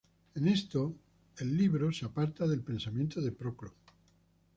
En esto el libro se aparta del pensamiento de Proclo.